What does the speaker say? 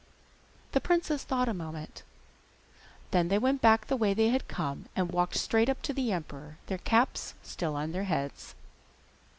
The princes thought a moment: then they went back the way they had come, and walked straight up to the emperor, their caps still on their heads.